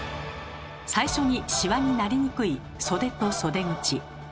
最初にシワになりにくい袖と袖口。